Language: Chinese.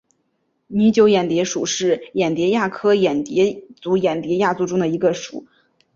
拟酒眼蝶属是眼蝶亚科眼蝶族眼蝶亚族中的一个属。